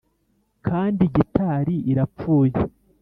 kandi gitari irapfuye